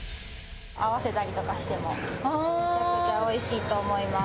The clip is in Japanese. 合わせたりとかしてもめちゃくちゃおいしいと思います。